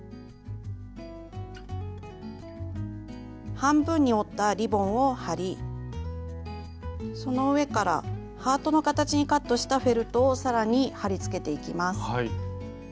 半分に折ったリボンを貼りその上からハートの形にカットしたフェルトを更に貼りつけていきます。